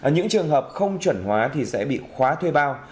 những trường hợp không chuẩn hóa thì sẽ bị khóa thuê bao